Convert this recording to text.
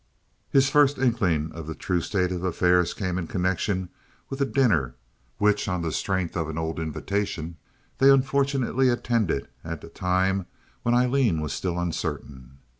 His first inkling of the true state of affairs came in connection with a dinner which, on the strength of an old invitation, they unfortunately attended at a time when Aileen was still uncertain.